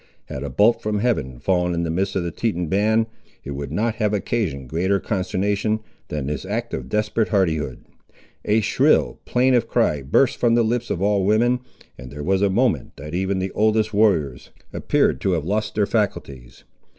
Had a bolt from Heaven fallen in the midst of the Teton band it would not have occasioned greater consternation, than this act of desperate hardihood. A shrill plaintive cry burst from the lips of all the women, and there was a moment, that even the oldest warriors appeared to have lost their faculties.